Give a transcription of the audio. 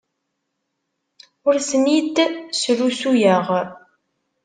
Ur ten-id-srusuyeɣ.